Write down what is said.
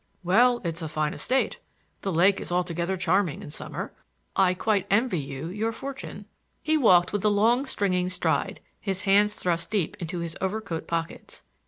"Well, it's a fine estate. The lake is altogether charming in summer. I quite envy you your fortune." He walked with a long swinging stride, his hands thrust deep into his overcoat pockets.